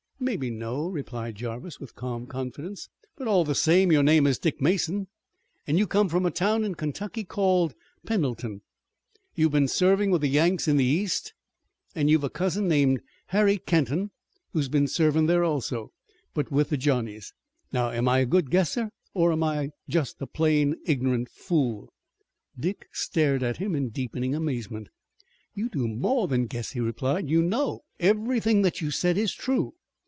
"Mebbe no," replied Jarvis, with calm confidence, "but all the same your name is Dick Mason, and you come from a town in Kentucky called Pendleton. You've been serving with the Yanks in the East, an' you've a cousin, named Harry Kenton, who's been servin' there also, but with the Johnnies. Now, am I a good guesser or am I just a plum' ignorant fool?" Dick stared at him in deepening amazement. "You do more than guess," he replied. "You know. Everything that you said is true."